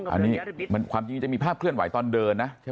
อันนี้ความจริงจะมีภาพเคลื่อนไหวตอนเดินนะใช่ไหม